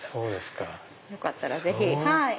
よかったらぜひ。